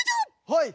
はい！